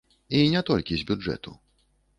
І не толькі з бюджэту.